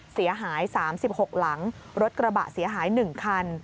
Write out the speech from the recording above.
เสียหาย๓๖หลังรถกระบะเสียหาย๑คัน